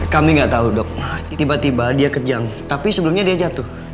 kami nggak tahu dok tiba tiba dia kejang tapi sebelumnya dia jatuh